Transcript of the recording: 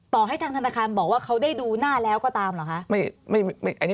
ต่อให้ทางธนาคารบอกว่าเขาได้ดูหน้าแล้วก็ตามเหรอคะ